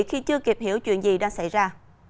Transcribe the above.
khi chưa kịp hiểu chuyện gì đang xảy ra